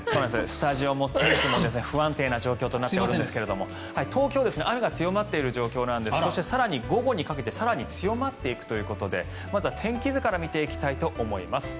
スタジオも天気も不安定な状況となっていますが東京は雨が強まっている状況で午後にかけて更に強まっていくということでまずは天気図から見ていきたいと思います。